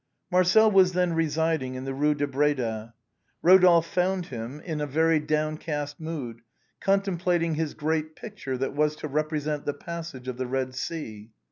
Marcel was then residing in the Eue de Bréda. Ro dolphe found him in a very downcast mood, contemplating his great picture that was to represent the passage of the Red Sea.